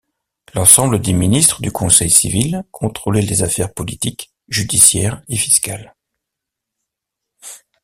L’ensemble des ministres du Conseil civil contrôlait les affaires politiques, judiciaires, et fiscales.